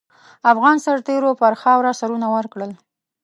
افغان سرتېرو پر خاوره سرونه ورکړل.